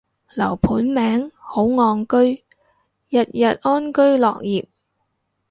樓盤名，好岸居，人人安居樂業